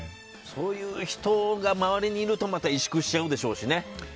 そういう人が周りにいるとまた委縮しちゃうでしょうしね。